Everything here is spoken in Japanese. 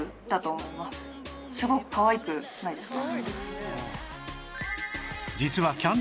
すごくかわいくないですか？